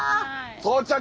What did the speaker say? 到着！